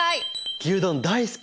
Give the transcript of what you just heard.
牛丼大好き！